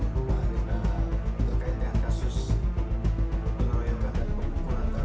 kemudian kita sudah menetapkan